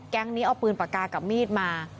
นี้เอาปืนปากกากับมีดมา